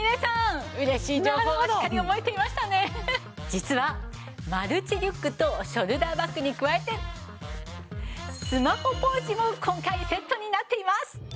実はマルチリュックとショルダーバッグに加えてスマホポーチも今回セットになっています！